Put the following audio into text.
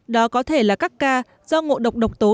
đó có thể là các ca do ngộ độc độc thực phẩm